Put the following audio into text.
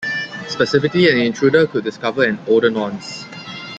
Specifically, an intruder could discover an older nonce.